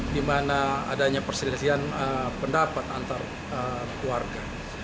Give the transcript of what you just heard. di mana adanya perselisihan pendapat antar keluarga